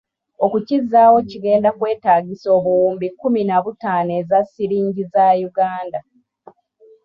Okukizaawo kigenda kwetaagisa obuwumbi kumi na butaano eza silingi za Uganda.